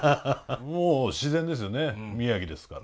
もう自然ですよね宮城ですから。